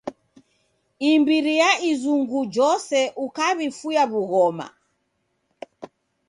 Imbiri ya izungu jose ukaw'ifuya w'ughoma.